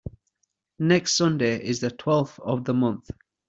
Next Sunday is the twelfth of the month.